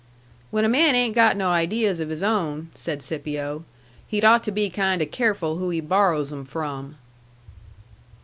"When a man ain't got no ideas of his own," said Scipio, "he'd ought to be kind o' careful who he borrows 'em from."